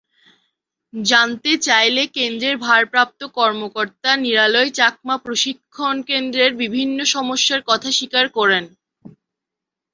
জানতে চাইলে কেন্দ্রের ভারপ্রাপ্ত কর্মকর্তা নিরালয় চাকমা প্রশিক্ষণকেন্দ্রের বিভিন্ন সমস্যার কথা স্বীকার করেন।